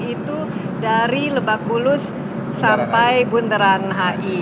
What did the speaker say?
itu dari lebak bulus sampai bunda ranai